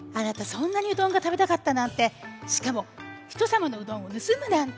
そんなにうどんがたべたかったなんてしかもひとさまのうどんをぬすむなんて！